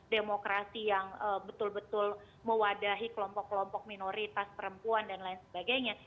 demokrasi yang betul betul mewadahi kelompok kelompok minoritas perempuan dan lain sebagainya